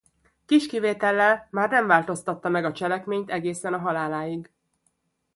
Kis kivétellel már nem változtatta meg a cselekményt egészen a haláláig.